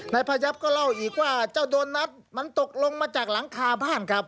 นายพยับก็เล่าอีกว่าเจ้าโดนัทมันตกลงมาจากหลังคาบ้านครับ